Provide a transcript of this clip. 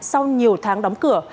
sau nhiều tháng đóng cửa